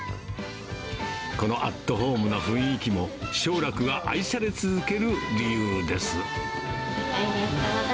このアットホームな雰囲気も、勝楽が愛され続ける理由です。